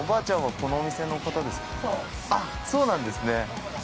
そうあっそうなんですね